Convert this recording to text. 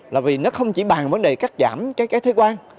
là vì nó không chỉ bàn vấn đề cắt giảm cái thuế quan